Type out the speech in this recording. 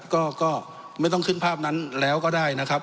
ก็ไม่ต้องขึ้นภาพนั้นแล้วก็ได้นะครับ